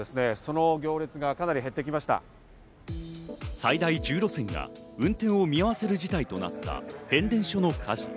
最大１０路線が運転を見合わせる事態となった変電所の火事。